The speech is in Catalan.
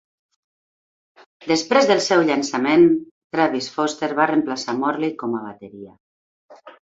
Després del seu llançament, Travis Foster va reemplaçar Morley com a bateria.